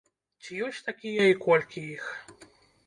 Ці ёсць такія і колькі іх?